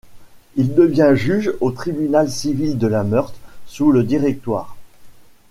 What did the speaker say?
Il devient juge au tribunal civil de la Meurthe sous le Directoire.